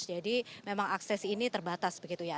jadi memang akses ini terbatas begitu ya